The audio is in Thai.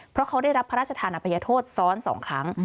เพราะเขาได้รับพระราชทานอภัยโทษซ้อน๒ครั้ง